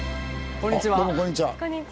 こんにちは。